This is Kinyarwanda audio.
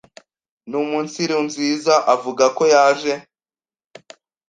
Numunsirunziza avuga ko yaje